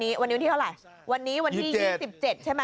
คุณผู้ชมครับคุณผู้ชมครับ